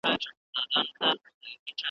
ځکه وايي « چي خپل عیب د ولي منځ دی .